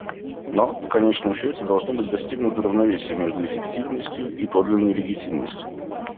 Но, в конечном счете, должно быть достигнуто равновесие между эффективностью и подлинной легитимностью.